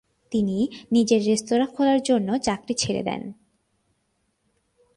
তিনি নিজের রেস্তোরাঁ খোলার জন্য চাকরি ছেড়ে দেন।